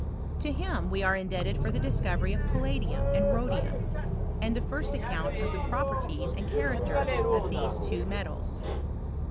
To him we are indebted for the discovery of palladium and rhodium, and the first account of the properties and characters of these two metals.